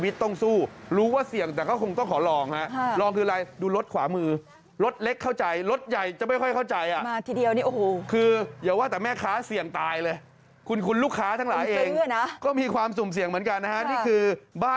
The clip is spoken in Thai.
ต้องมาวางขายอย่างนี้นะฮะนะฮะ